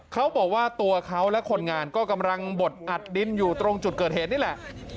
เขาบอกว่าตัวเขาและคนงานก็กำลังบดอัดดินอยู่ตรงจุดเกิดเหตุนี่แหละ